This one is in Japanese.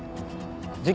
事件